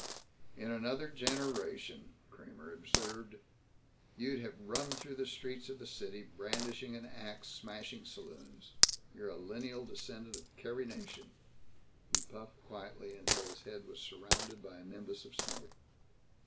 "In another generation," Kramer observed, "you'd have run through the streets of the city brandishing an ax smashing saloons. You're a lineal descendent of Carrie Nation." He puffed quietly until his head was surrounded by a nimbus of smoke.